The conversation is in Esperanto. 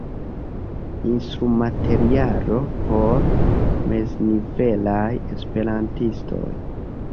Instrumaterialo por meznivelaj Esperantistoj.